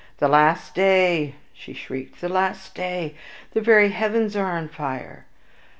"The last day," she shrieked, "The last day! The very heavens are on fire!"